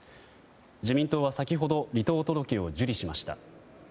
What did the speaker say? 自民党は先ほど離党届を受理しました。